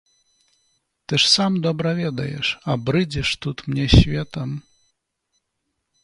Ты ж сам добра ведаеш, а брыдзіш тут мне светам!